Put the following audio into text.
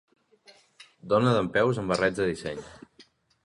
Dona dempeus amb barrets de disseny.